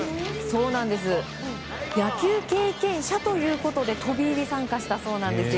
野球経験者ということで飛び入り参加したそうなんです。